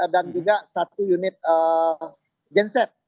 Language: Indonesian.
dan juga satu unit genset